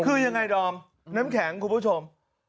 คือยังไงดอมน้ำแข็งคุณผู้ชม